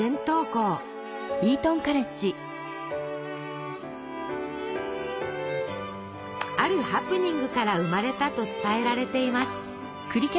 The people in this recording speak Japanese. あるハプニングから生まれたと伝えられています。